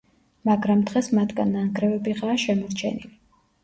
მაგრამ დღეს მათგან ნანგრევებიღაა შემორჩენილი.